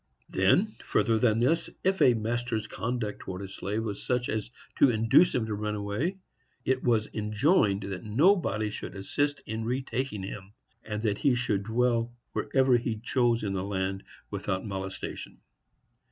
Then, further than this, if a master's conduct towards a slave was such as to induce him to run away, it was enjoined that nobody should assist in retaking him, and that he should dwell wherever he chose in the land, without molestation.